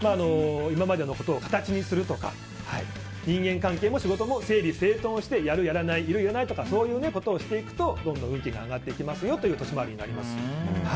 今までのことを形にするとか人間関係も仕事も整理整頓してやる、やらないいる、いらないとかそういうことをしていくとどんどん運気が上がっていきますよ